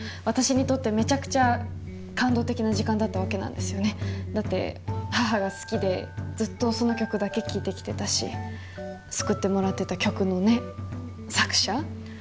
私にとってめちゃくちゃ感動的な時間だったわけなんですよねだって母が好きでずっとその曲だけ聴いてきてたし救ってもらってた曲のね作者？